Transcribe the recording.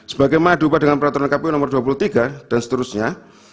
sebagai mengadu upah dengan peraturan kpu no dua puluh tiga dan seterusnya